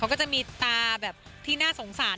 เขาก็จะมีตาแบบที่น่าสงสาร